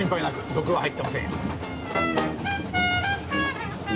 毒は入ってませんよ。